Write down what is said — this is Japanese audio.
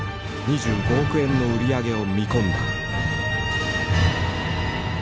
２５億円の売り上げを見込んだ。